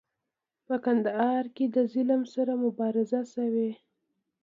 په کندهار کې د ظلم سره مبارزې شوي.